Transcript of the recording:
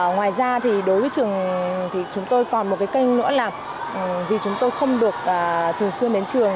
ngoài ra thì đối với trường thì chúng tôi còn một cái kênh nữa là vì chúng tôi không được thường xuyên đến trường